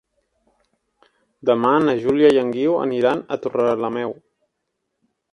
Demà na Júlia i en Guiu aniran a Torrelameu.